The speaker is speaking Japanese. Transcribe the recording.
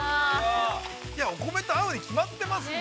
◆お米と合うに決まってますもの。